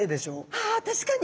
ああ確かに。